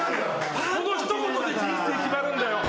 この一言で人生決まるんだよ。